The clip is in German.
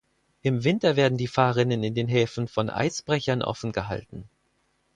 Im Winter werden die Fahrrinnen in den Häfen von Eisbrechern offen gehalten.